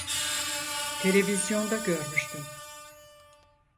Televizyonda görmüştüm.